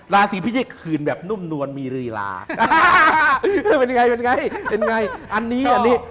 ราศีพิจิกคืนแบบนุ่มนวลมีรีลาเป็นยังไงเป็นไงเป็นไงอันนี้อันนี้